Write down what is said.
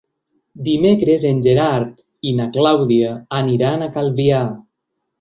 Dimecres en Gerard i na Clàudia aniran a Calvià.